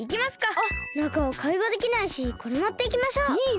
あっなかはかいわできないしこれもっていきましょう。いいね！